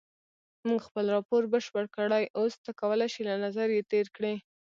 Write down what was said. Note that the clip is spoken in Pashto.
مونږ خپل راپور بشپړ کړی اوس ته کولای شې له نظر یې تېر کړې.